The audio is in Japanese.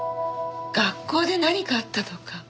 学校で何かあったとか？